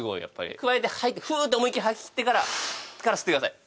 くわえて吐いてフウーって思いっきり吐ききってから吸ってください